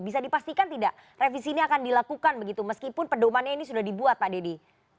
bisa dipastikan tidak revisi ini akan dilakukan begitu meskipun pedomannya ini sudah dibuat pak dedy